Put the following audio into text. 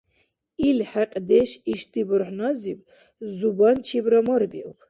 Ил хӀекьдеш ишди бурхӀназиб Зубанчибра марбиуб.